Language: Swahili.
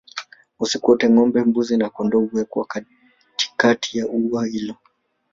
Usiku wote ngombe mbuzi na kondoo huwekwa katikati ya ua hilo